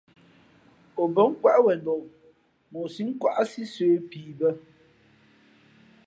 O bα̌ nkwéʼ wenok, mα o sǐʼ nkwáʼsí sə̌ pii bᾱ.